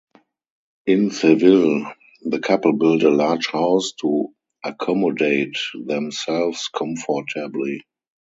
In Seville, the couple built a large house to accommodate themselves comfortably.